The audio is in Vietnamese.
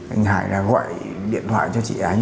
anh hải gọi điện thoại cho chị ánh